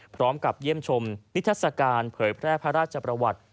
พร้อมกับเยี่ยมชมนิทัศกาลเผยแพร่พระราชประวัติ